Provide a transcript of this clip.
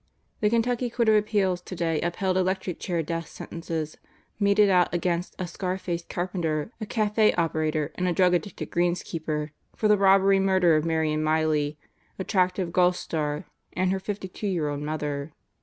"The Kentucky Court of Appeals today upheld electric chair death sentences meted out against a scar faced carpenter, a cafe operator, and a drug addicted greenskeeper for the robbery murder of Marion Miley, attractive golf star, and her 52 year old mother.